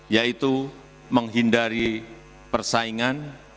yang bisa dimaknai menjadi tiga perjalanan yang berbeda dan berbeda